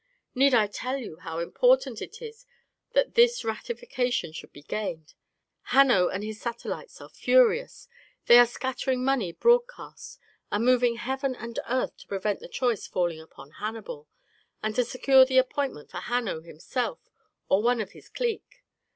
Need I tell you how important it is that this ratification should be gained? Hanno and his satellites are furious, they are scattering money broadcast, and moving heaven and earth to prevent the choice falling upon Hannibal, and to secure the appointment for Hanno himself or one of his clique.